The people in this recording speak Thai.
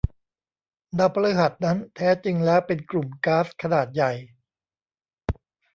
ดาวพฤหัสนั้นแท้จริงแล้วเป็นกลุ่มก๊าซขนาดใหญ่